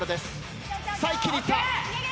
さあ一気にいった。